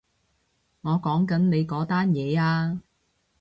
我講緊你嗰單嘢啊